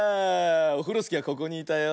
オフロスキーはここにいたよ。